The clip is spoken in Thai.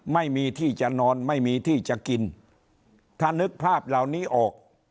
ไม่มีที่จะนอนไม่มีที่จะกินถ้านึกภาพเหล่านี้ออก